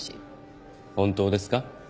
本当ですか？